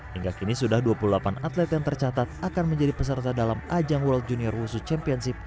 hingga kini sudah dua puluh delapan atlet yang tercatat akan menjadi peserta dalam ajang world junior wusu championship dua ribu dua puluh dua